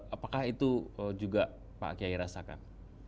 apakah itu juga pak kiai rasakan